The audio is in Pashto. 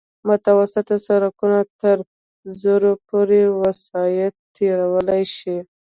متوسط سرکونه تر زرو پورې وسایط تېرولی شي